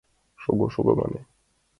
— Шого-шого, — мане.